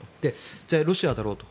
じゃあ、ロシアだろうと。